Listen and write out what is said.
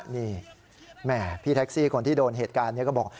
นี่แม่พี่แท็กซี่คนที่โดนเหตุการณ์นี้ก็บอก